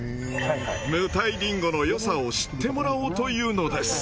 無袋りんごのよさを知ってもらおうというのです。